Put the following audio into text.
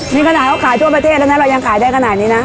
นี่ขนาดเขาขายทั่วประเทศแล้วนะเรายังขายได้ขนาดนี้นะ